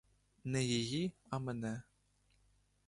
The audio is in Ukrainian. Не її, а мене.